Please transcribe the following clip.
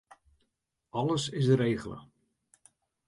Alles is regele.